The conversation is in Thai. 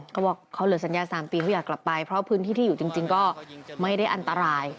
เขาบอกเขาเหลือสัญญา๓ปีเขาอยากกลับไปเพราะพื้นที่ที่อยู่จริงก็ไม่ได้อันตราย